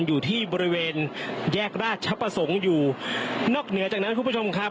อยู่ที่บริเวณแยกราชประสงค์อยู่นอกเหนือจากนั้นคุณผู้ชมครับ